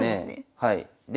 はい。